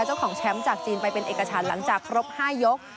เจ้าของแชมป์จากจีนไปเป็นเอกฉันหลังจากครบ๕ยก